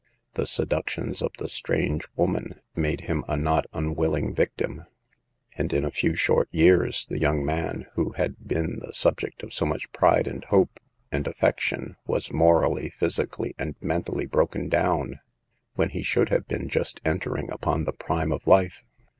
The seductions of the strange woman made him a not unwilling victim ; and in a few 12 SAVE THE GIRLS. short years, the young man who had been the subject of so much pride and hope and affec tion was morally, physically and mentally broken down, when he should have been just entering upon the prime of life.